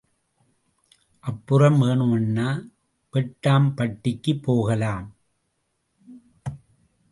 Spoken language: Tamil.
அப்புறம் வேணுமுன்னா வெட்டாம்பட்டிக்கு போகலாம்.